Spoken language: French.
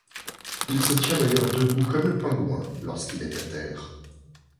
Il se tient d'ailleurs debout comme le Pingouin lorsqu'il est à terre.